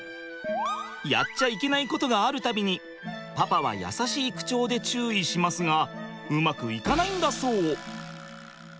やっちゃいけないことがある度にパパは優しい口調で注意しますがうまくいかないんだそう。